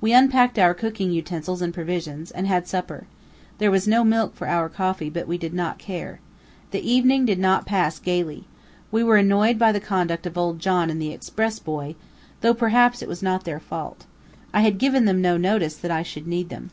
We unpacked our cooking utensils and provisions, and had supper. There was no milk for our coffee, but we did not care. The evening did not pass gayly. We were annoyed by the conduct of old John and the express boy, though, perhaps, it was not their fault. I had given them no notice that I should need them.